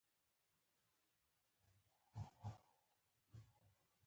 جبار خان پاڅېد، المارۍ ته ور تېر شو، دوه ګیلاسه.